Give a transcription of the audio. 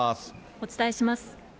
お伝えします。